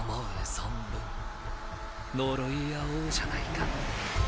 存分呪い合おうじゃないか。